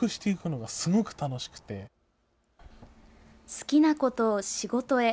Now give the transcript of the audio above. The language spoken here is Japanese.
好きなことを仕事へ。